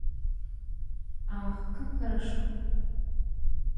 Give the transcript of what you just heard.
– Ах, как хорошо!